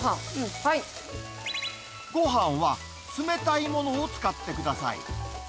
ごはんは、冷たいものを使ってください。